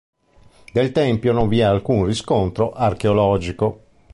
Del tempio non vi è alcun riscontro archeologico.